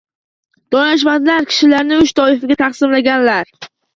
Donishmandlar kishilarni uch toifaga taqsimlaganlar